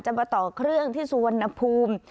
มาต่อเครื่องที่สุวรรณภูมิ